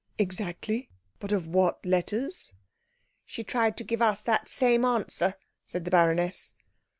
"Exactly. But of what letters?" "She tried to give us that same answer," said the baroness.